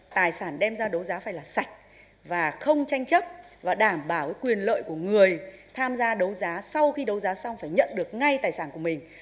tài sản đem ra đấu giá phải là sạch và không tranh chấp và đảm bảo quyền lợi của người tham gia đấu giá sau khi đấu giá xong phải nhận được ngay tài sản của mình